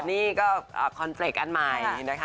นี่ก็เปิดสินคอคออนเมริกีอันใหม่นี่นะคะ